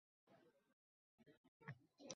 Husayinning ko'z oldida bu nurli siymo yuksalib